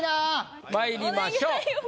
まいりましょう。